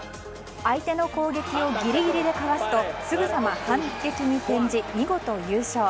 相手の攻撃をギリギリでかわすとすぐさま反撃に転じ見事優勝。